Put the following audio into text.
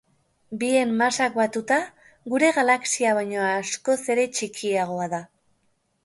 Bien masak batuta, gure galaxia baino askoz ere txikiagoa da.